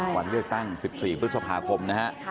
วันเลือกตั้ง๑๔พฤษภาคมนะฮะ